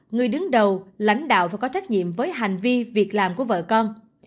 người đứng đầu lãnh đạo và có trách nhiệm với hành vi việc làm của vợ con